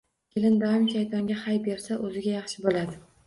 Kelin doim shaytonga hay bersa, o‘ziga yaxshi bo‘ladi.